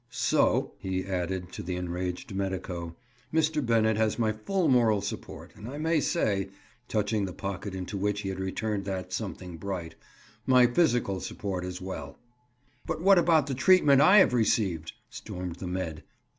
So," he added to the enraged medico, "Mr. Bennett has my full moral support, and, I may say," touching the pocket into which he had returned that something bright, "my physical support as well." "But what about the treatment I have received?" stormed the med.